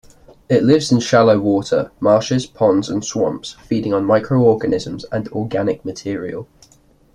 It lives in shallow-water marshes, ponds, and swamps, feeding on microorganisms and organic material.